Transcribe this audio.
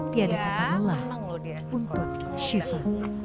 tiada kata melah untuk shiva